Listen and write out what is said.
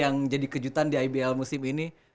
yang jadi kejutan di ibl musim ini